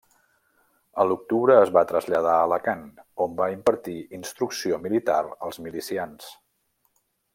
A l'octubre es va traslladar a Alacant, on va impartir instrucció militar als milicians.